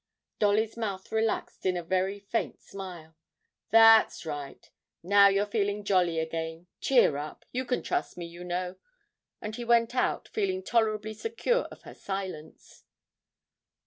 (Dolly's mouth relaxed in a very faint smile.) 'That's right now you're feeling jolly again; cheer up, you can trust me, you know.' And he went out, feeling tolerably secure of her silence.